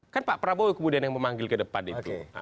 kan pak prabowo kemudian yang memanggil ke depan itu